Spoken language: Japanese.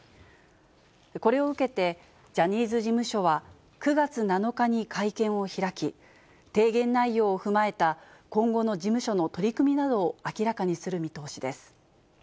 これを受けて、ジャニーズ事務所は９月７日に会見を開き、提言内容を踏まえた今後の事務所の取り組みなどを明らかにする見通しです。